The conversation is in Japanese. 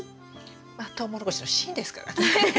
まあトウモロコシの芯ですからね。